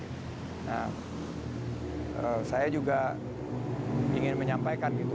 nah saya juga ingin menyampaikan gitu